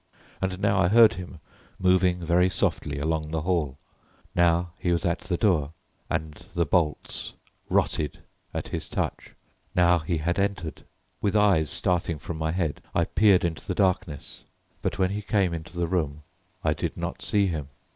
And now I heard him moving very softly along the hall. Now he was at the door, and the bolts rotted at his touch. Now he had entered. With eyes starting from my head I peered into the darkness, but when he came into the room I did not see him.